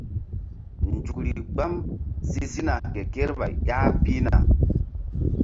Nzukri gbam si sina ke kerɓay ƴah pihna.